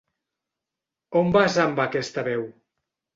On vas amb aquesta veu?